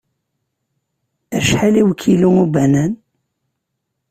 Acḥal i ukilu n ubanan?